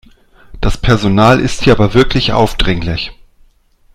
Das Personal ist hier aber wirklich aufdringlich.